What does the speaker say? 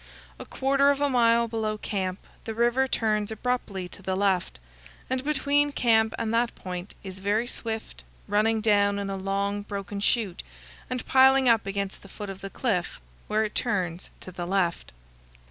A quarter of a mile below camp the river turns abruptly to the left, and between camp and that point is very swift, running down in a long, broken chute and piling up against the foot of the cliff, where it turns to the left.